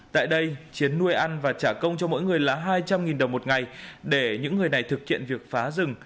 tại đây chiến nuôi ăn và trả công cho mỗi người là hai trăm linh đồng một ngày để những người này thực hiện việc phá rừng